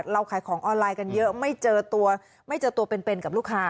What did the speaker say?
ขายของออนไลน์กันเยอะไม่เจอตัวไม่เจอตัวเป็นกับลูกค้า